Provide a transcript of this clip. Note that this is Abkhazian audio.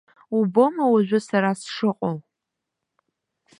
Убома уажәы сара сшыҟоу.